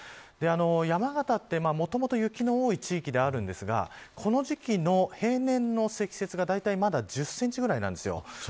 山形ってもともと雪の多い地域ではあるんですがこの時期の平年の積雪がだいたいまだ１０センチぐらいなんです。